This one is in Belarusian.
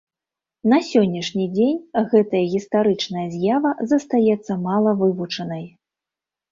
На сённяшні дзень гэтая гістарычная з'ява застаецца мала вывучанай.